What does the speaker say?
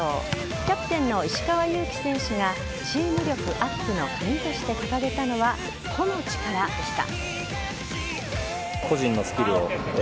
キャプテンの石川祐希選手がチーム力アップの鍵として掲げたのは個の力でした。